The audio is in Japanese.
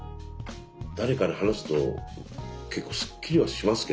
誰かに話すと結構すっきりはしますけどね。